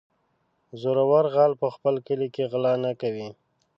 - زورور غل په خپل کلي کې غلا نه کوي.